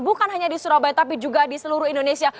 bukan hanya di surabaya tapi juga di seluruh indonesia